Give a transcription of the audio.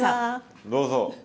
どうぞ。